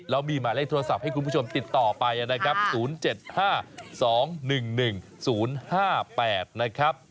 แล้วมีหมายเลขโทรศัพท์ให้คุณผู้ชมติดต่อไปนะครับ๐๗๕๒๑๑๐๕๘นะครับ